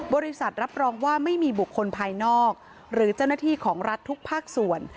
รับรองว่าไม่มีบุคคลภายนอกหรือเจ้าหน้าที่ของรัฐทุกภาคส่วน